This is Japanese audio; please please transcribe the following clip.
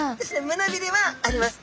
むなびれはあります。